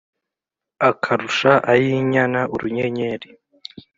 Akarusha ay'inyana urunyenyeri.